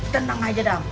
tenang aja dam